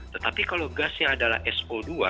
tetapi kalau gasnya adalah so dua